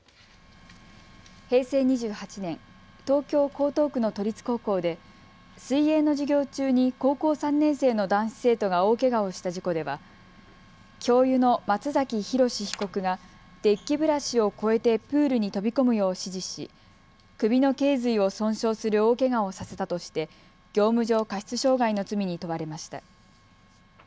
平成２８年、東京江東区の都立高校で水泳の授業中に高校３年生の男子生徒が大けがをした事故では教諭の松崎浩史被告がデッキブラシを越えてプールに飛び込むよう指示し首のけい髄を損傷する大けがをさせたとして業務上過失傷害の罪に問われました。